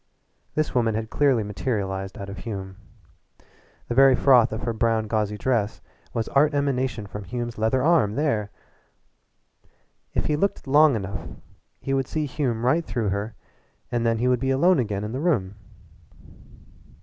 This woman had clearly materialized out of Hume. The very froth of her brown gauzy dress was art emanation from Hume's leather arm there! If he looked long enough he would see Hume right through her and then he would be alone again in the room.